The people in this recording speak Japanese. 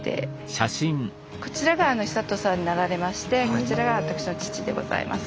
こちらが久渡さんになられましてこちらが私の父でございます。